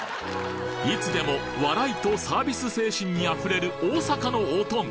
いつでも笑いとサービス精神にあふれる大阪のオトン